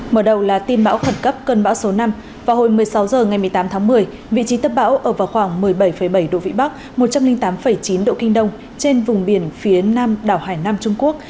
mở đầu là tin bão khẩn cấp cân bão số năm vào hồi một mươi sáu h ngày một mươi tám tháng một mươi vị trí tâm bão ở vào khoảng một mươi bảy bảy độ vĩ bắc một trăm linh tám chín độ kinh đông trên vùng biển phía nam đảo hải nam trung quốc